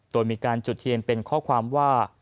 โดยมีการจุดเทียนเป็นข้อความว่า